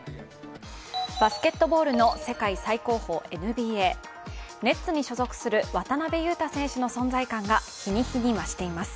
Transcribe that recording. バスケットボールの世界最高峰、ＮＢＡネッツに所属する渡邊雄太選手の存在感が日に日に増しています。